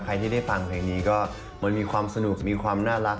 ใครที่ได้ฟังเพลงนี้ก็มันมีความสนุกมีความน่ารัก